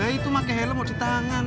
ya itu pakai helm mau di tangan